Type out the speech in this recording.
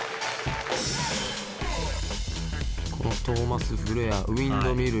このトーマスフレアウィンドミル。